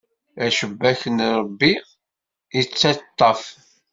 Acebbak n Ṛebbi ittaṭṭaf.